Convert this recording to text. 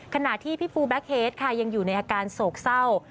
ขณะที่พี่ปูแบ็คเฮดค่ะยังอยู่ในอาการโศกเศร้า